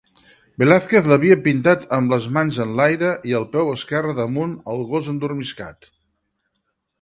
Velázquez l'havia pintat amb les mans enlaire i el peu esquerre damunt el gos endormiscat.